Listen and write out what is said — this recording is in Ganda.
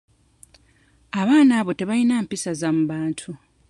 Abaana abo tebayina mpisa za mu bantu.